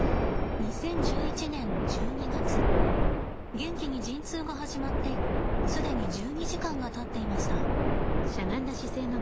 ゲンキに陣痛が始まって既に１２時間がたっていました。